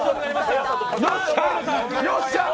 よっしゃー！